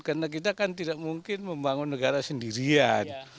karena kita kan tidak mungkin membangun negara sendirian